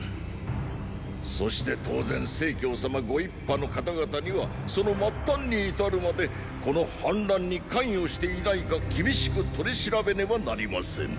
そして当然成様ご一派の方々にはその末端に至るまでこの反乱に関与していないか厳しく取り調べねばなりませぬ。